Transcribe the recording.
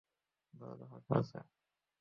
দরজা ফাঁকা আছে।